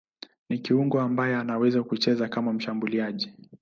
Ni kiungo ambaye anaweza kucheza kama mshambuliaji.